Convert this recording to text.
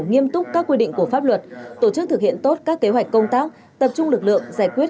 nghiêm túc các quy định của pháp luật tổ chức thực hiện tốt các kế hoạch công tác tập trung lực lượng giải quyết